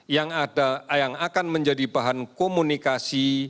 yang akan menjadi bahan komunikasi